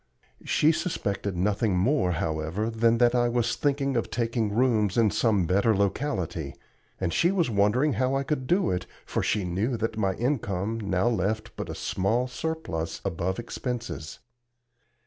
She suspected nothing more, however, than that I was thinking of taking rooms in some better locality, and she was wondering how I could do it, for she knew that my income now left but a small surplus above expenses.